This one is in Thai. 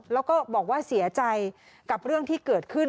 แล้วก็บอกว่าเสียใจกับเรื่องที่เกิดขึ้น